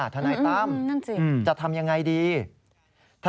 ทนายตั้มจะทำอย่างไรดีอืมนั่นจริง